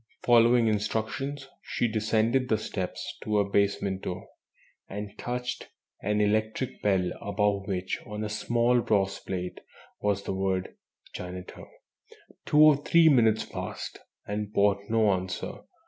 Following instructions, she descended the steps to a basement door, and touched an electric bell above which, on a small brass plate, was the word "Janitor." Two or three minutes passed, and brought no answer.